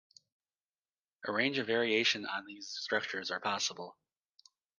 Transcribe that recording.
A range of variations on these structures are possible.